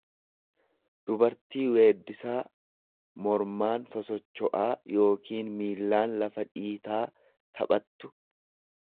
dubartii weeddisaa, mormaaan sosocho'aa yookiin miillaan lafa dhiitaa taphattu.